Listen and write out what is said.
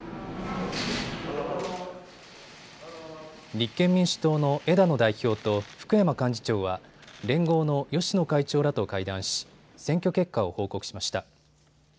立憲民主党の枝野代表と福山幹事長は連合の芳野会長らと会談し選挙結果を報告しました。